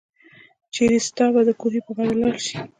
چيري ستاه به دکوهي په غاړه لار شي